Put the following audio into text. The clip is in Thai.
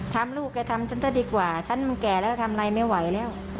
ทำลูกแกทำฉันซะดีกว่าฉันมันแก่แล้วทำอะไรไม่ไหวแล้ว